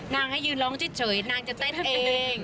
นางให้ยืนร้องเจ็ดเฉยนางจะแต๊ดเอง